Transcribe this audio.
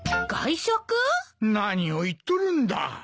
外食？何を言っとるんだ。